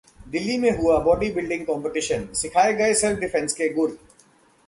दिल्ली में हुआ body building competition, सिखाए गए सेल्फ डिफेंस के गुर